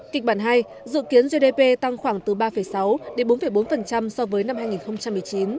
kịch bản hai dự kiến gdp tăng khoảng từ ba sáu đến bốn bốn so với năm hai nghìn một mươi chín